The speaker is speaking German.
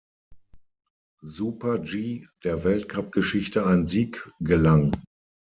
Super-G der Weltcup-Geschichte ein Sieg gelang.